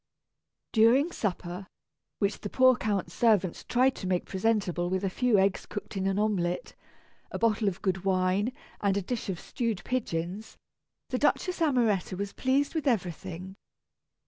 During supper, which the poor Count's servants tried to make presentable with a few eggs cooked in an omelette, a bottle of good wine, and a dish of stewed pigeons, the Duchess Amoretta was pleased with everything.